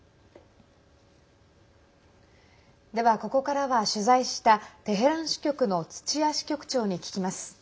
では、ここからは取材したテヘラン支局の土屋支局長に聞きます。